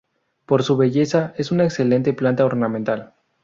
Por su belleza es una excelente planta ornamental.